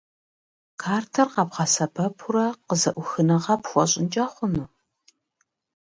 Картэр къэбгъэсэбэпурэ къызэӀухыныгъэ пхуэщӀынкӀэ хъуну?